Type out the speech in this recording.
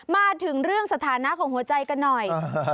มาถึงเรื่องสถานะของหัวใจกันหน่อย